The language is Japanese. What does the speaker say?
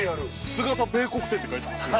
「菅田米穀店」って書いてますよ。